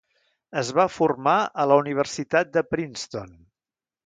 Es va formar a la Universitat de Princeton.